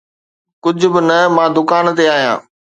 ڪجھ به نه، مان دڪان تي آهيان.